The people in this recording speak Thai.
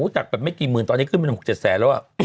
จากแบบไม่กี่หมื่นตอนนี้ขึ้นเป็น๖๗แสนแล้ว